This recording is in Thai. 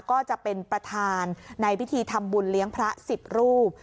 ก็จะเป็นประธานในพิธีทำบุญเลี้ยงพระ๑๐รูป